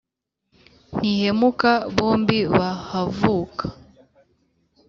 ntihemuka, bombi bahavuka.